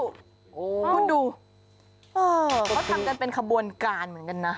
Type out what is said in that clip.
คุณดูเขาทำกันเป็นขบวนการเหมือนกันนะ